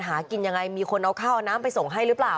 หากินยังไงมีคนเอาข้าวเอาน้ำไปส่งให้หรือเปล่า